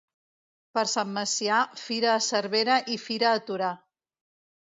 Per Sant Macià, fira a Cervera i fira a Torà.